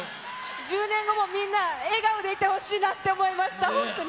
１０年後もみんな笑顔でいてほしいなって思いました、本当に。